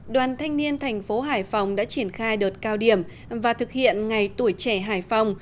đoàn thanh niên thành phố hải phòng đã triển khai đợt cao điểm và thực hiện ngày tuổi trẻ hải phòng